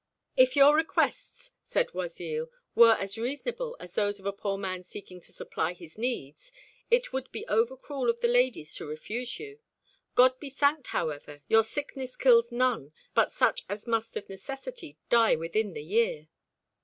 "If your requests," said Oisille, "were as reasonable as those of a poor man seeking to supply his needs, it would be over cruel of the ladies to refuse you. God be thanked, however, your sickness kills none but such as must of necessity die within the year."